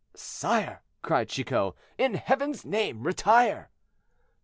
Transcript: "Sire," cried Chicot, "in Heaven's name retire!"